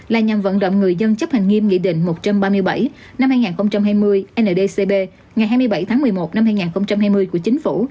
là nhằm vận động người dân chấp hành nghiêm nghị định một trăm ba mươi bảy năm hai nghìn hai mươi ndcb ngày hai mươi bảy tháng một mươi một năm hai nghìn hai mươi của chính phủ